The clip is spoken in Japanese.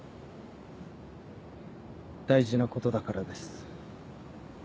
大事なことだからです。